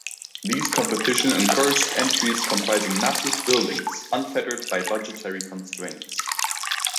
These competitions encouraged entries comprising massive buildings unfettered by budgetary constraints.